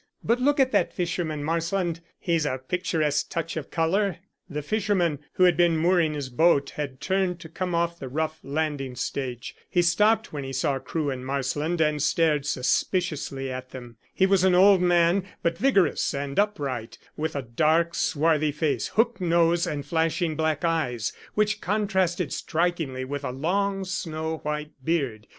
But look at that fisherman, Marsland. He's a picturesque touch of colour." The fisherman who had been mooring his boat had turned to come off the rough landing stage. He stopped when he saw Crewe and Marsland, and stared suspiciously at them. He was an old man, but vigorous and upright, with a dark swarthy face, hooked nose, and flashing black eyes, which contrasted strikingly with a long snow white beard.